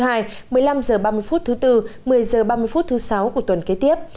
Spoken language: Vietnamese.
một mươi năm h ba mươi thứ bốn một mươi h ba mươi thứ sáu của tuần kế tiếp